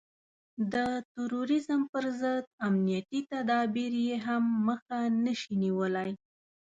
د تروريزم پر ضد امنيتي تدابير يې هم مخه نشي نيولای.